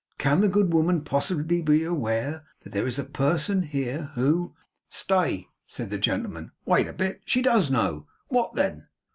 can the good woman possibly be aware that there is a person here who ' 'Stay!' said the gentleman. 'Wait a bit. She DOES know. What then?